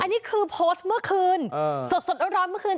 อันนี้คือโพสต์เมื่อคืนสดร้อนเมื่อคืน